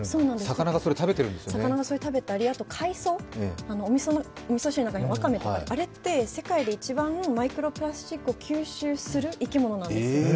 魚がそれを食べていたり、みそ汁の中のわかめとか、あれって世界で一番マイクロプラスチックを吸収する生き物なんです。